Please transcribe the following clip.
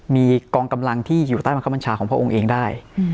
มีกองกำลังที่อยู่ใต้บังคับบัญชาของพระองค์เองได้